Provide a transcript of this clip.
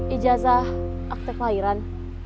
ijazah aktif lahiran